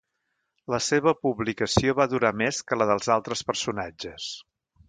La seva publicació va durar més que la dels altres personatges.